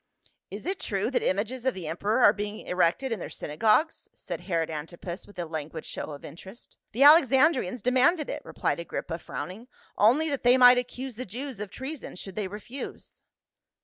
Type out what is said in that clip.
"Is it true that images of the emperor are being erected in their synagogues?" said Herod Antipas with a languid show of interest. "The Alexandrians demanded it," rephed Agrippa, frowning, "only that they might accuse the Jews of treason should they refuse."